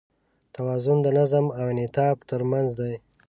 توازن د نظم او انعطاف تر منځ دی.